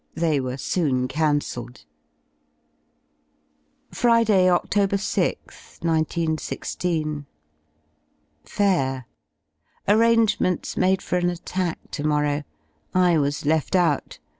They were soon cancelled. Friday, Oct. 6th, 191 6. Fair! Arrangements made for an attack to morrow. I was left out.